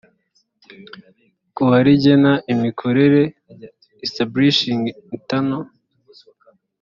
kuwa rigena imikorere establishing internal